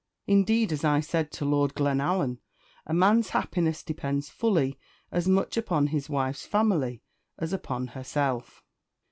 Indeed, as I said to Lord Glenallan, a man's happiness depends fully as much upon his wife's family as upon herself."